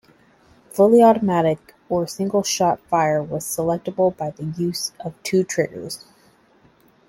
Fully automatic or single-shot fire was selectable by the use of two triggers.